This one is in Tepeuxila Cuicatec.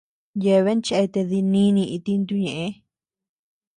Yeabean cheate dininii itintu ñëʼe.